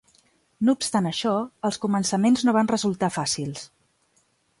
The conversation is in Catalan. No obstant això, els començaments no van resultar fàcils.